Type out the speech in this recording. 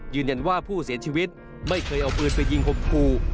ยืนยันว่าผู้เสียชีวิตไม่เคยเอาปืนไปยิงคมครู